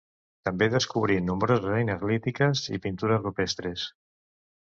També descobrí nombroses eines lítiques i pintures rupestres.